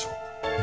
え？